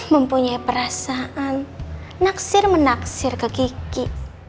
mempunyai perasaan naksir menaksir ke kiki